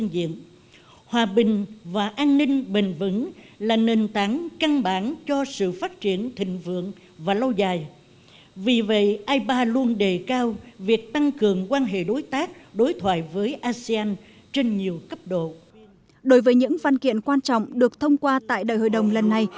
đối với những văn kiện quan trọng được thông qua tại đại hội đồng lần này